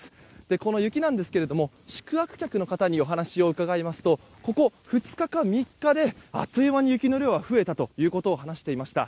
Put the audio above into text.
この雪ですが宿泊客の方にお話を伺いますとここ２日か３日であっという間に雪の量が増えたと話していました。